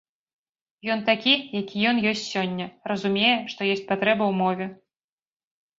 Ён такі, які ён ёсць сёння, разумее, што ёсць патрэба ў мове.